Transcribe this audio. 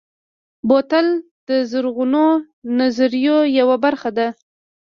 بوتل د زرغونو نظریو یوه برخه ده.